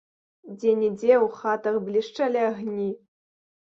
Дзе-нідзе ў хатах блішчалі агні.